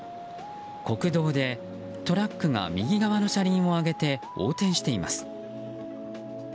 国道でトラックが右側の車輪を上げて横転しています。